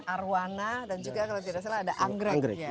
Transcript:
arwana dan juga kalau tidak salah ada anggrek